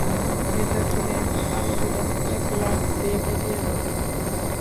ভেতর থেকে একটা কালো বিড়াল এক লাফ দিয়ে বেরিয়ে এল।